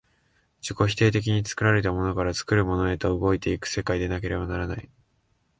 自己否定的に作られたものから作るものへと動いて行く世界でなければならない。